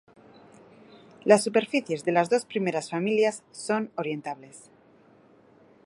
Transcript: La superficies de las dos primeras familias son orientables.